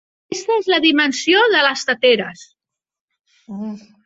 Aquesta és la dimensió de les teteres.